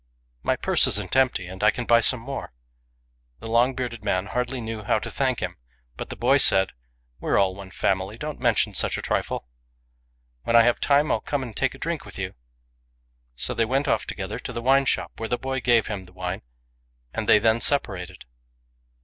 My purse isn't empty, and I can buy some more." The long bearded man hardly knew how to thank him ; but the boy said, " We're all one family. Don't mention such a trifle. When I have time I'll come and take a drink with you." So they went off together to the wine shop, where the boy gave him the wine and they then separated.